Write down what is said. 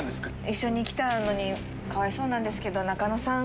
一緒に来たのにかわいそうですけど仲野さん。